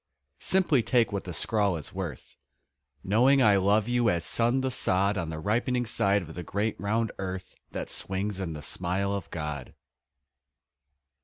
Simply take what the scrawl is worth Knowing I love you as sun the sod On the ripening side of the great round earth That swings in the smile of God.